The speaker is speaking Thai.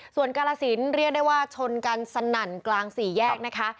ส่วนกาลสินเรียกได้ว่าชนกันสนั่นกลางสี่แยกนะคะ